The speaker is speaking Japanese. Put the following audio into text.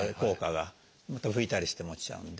拭いたりしても落ちちゃうんで。